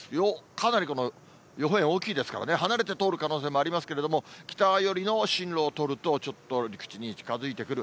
かなり予報円大きいですからね、離れて通る可能性もありますけれども、北寄りの進路を取ると、ちょっと陸地に近づいてくる。